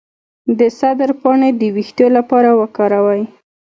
د سدر پاڼې د ویښتو لپاره وکاروئ